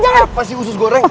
apa sih usus goreng